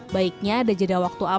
baiknya ada jeda waktu